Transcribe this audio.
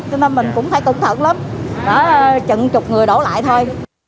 cho nên mình cũng phải cẩn thận lắm chận chục người đổ lại thôi